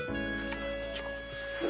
こっちか。